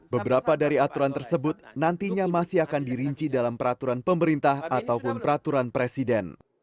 beberapa dari aturan tersebut nantinya masih akan dirinci dalam peraturan pemerintah ataupun peraturan presiden